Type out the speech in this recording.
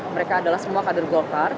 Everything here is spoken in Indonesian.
mereka adalah semua kader golkar